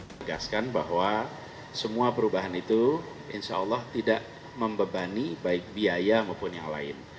menegaskan bahwa semua perubahan itu insya allah tidak membebani baik biaya maupun yang lain